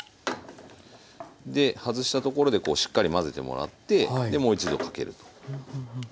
で外したところでこうしっかり混ぜてもらってもう一度かけると。